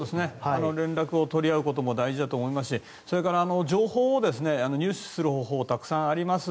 連絡を取り合うことも大事だと思いますしそれから情報を入手する方法たくさんあります。